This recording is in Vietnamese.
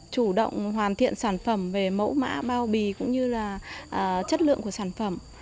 chủ động hoàn thiện sản phẩm về mẫu mã bao bì cũng như là chất lượng của sản phẩm